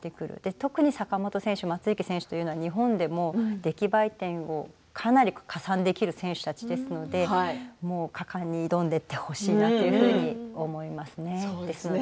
特に坂本選手、松生選手は日本でも出来栄え点をかなり加算できる選手たちですので果敢に挑んでいってほしいなというふうに思いますね。